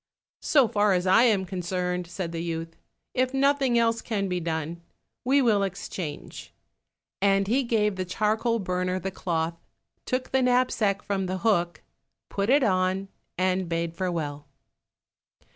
"So far as I am concerned," said the youth, "if nothing else can be done, we will exchange," and he gave the charcoal burner the cloth, took the knapsack from the hook, put it on, and bade farewell.